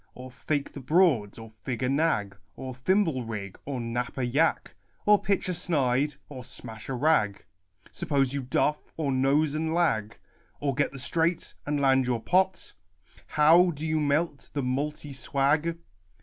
Or fake the broads ? or fig a nag ? Or thimble rig ? or knap a yack ? Or pitch a snide ? or smash a rag ? Suppose you duff? or nose and lag ? Or get the straight, and land your pot ? How do you melt the multy swag